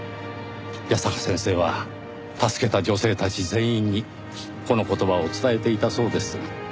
矢坂先生は助けた女性たち全員にこの言葉を伝えていたそうです。